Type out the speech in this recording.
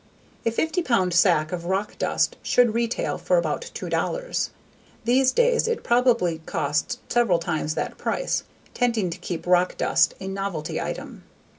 A fifty pound sack of rock dust should retail for about $2. These days it probably costs several times that price, tending to keep rock dust a novelty item.